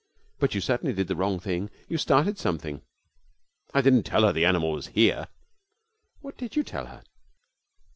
'But you certainly did the wrong thing. You started something!' 'I didn't tell her the animal was here.' 'What did you tell her?'